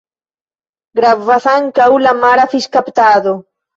Gravas ankaŭ la mara fiŝkaptado.